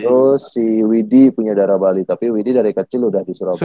terus si widhi punya darah bali tapi widhi dari kecil udah di surabaya